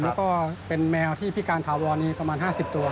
แล้วก็เป็นแมวที่พิการถาวรนี้ประมาณ๕๐ตัว